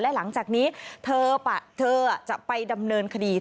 และหลังจากนี้เธอจะไปดำเนินคดี